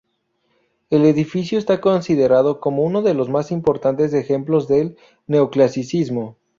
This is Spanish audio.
El edificio está considerado como uno de los más importantes ejemplos del Neoclasicismo.